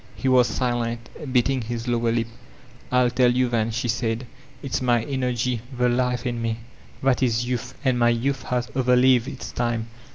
'* He was silent, biting his lower lip. "I'll tell you then/' she said. "It's my energy, the life in me. That is youth, and my youth has overlived its time.